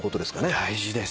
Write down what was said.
大事です。